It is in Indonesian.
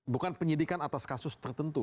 bukan penyidikan atas kasus tertentu